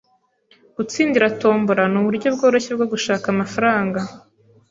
Gutsindira tombola nuburyo bworoshye bwo gushaka amafaranga.